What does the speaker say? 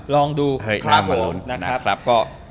ลองดูครับผม